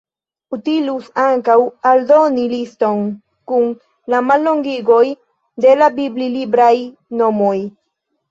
Utilus ankaŭ aldoni liston kun la mallongigoj de la bibli-libraj nomoj.